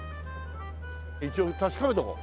一応確かめておこう。